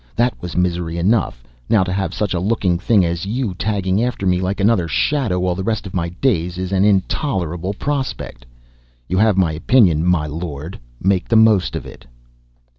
That was misery enough, now to have such a looking thing as you tagging after me like another shadow all the rest of my day is an intolerable prospect. You have my opinion my lord, make the most of it."